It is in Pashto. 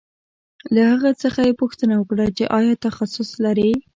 له هغه څخه یې پوښتنه وکړه چې آیا تخصص لرې